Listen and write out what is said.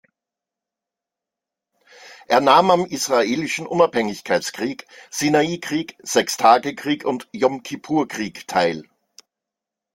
Er nahm am Israelischen Unabhängigkeitskrieg, Sinai-Krieg, Sechstagekrieg und Jom-Kippur-Krieg teil.